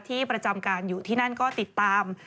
ประจำการอยู่ที่นั่นก็ติดตาม